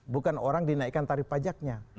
bukan orang dinaikkan tarif pajaknya